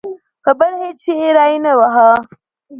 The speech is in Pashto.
په بل هېڅ شي کې یې ری نه واهه.